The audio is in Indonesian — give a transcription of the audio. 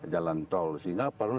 jalan tol sehingga perlu